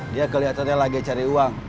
dia kelihatannya lagi cari uang